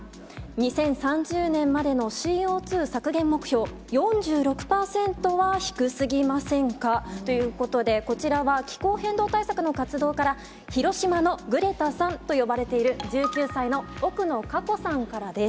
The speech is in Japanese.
２０３０年までのＣＯ２削減目標、４６％は低すぎませんか？ということで、こちらは、気候変動対策の活動から、広島のグレタさんと呼ばれている、１９歳の奥野華子さんからです。